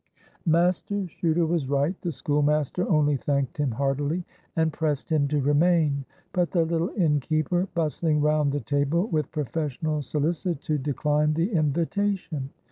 Master Chuter was right. The schoolmaster only thanked him heartily, and pressed him to remain. But the little innkeeper, bustling round the table with professional solicitude, declined the invitation.